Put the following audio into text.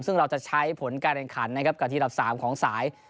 ซึ่งเราจะใช้ผลการแข่งขันนะครับกับทีดับ๓ของสาย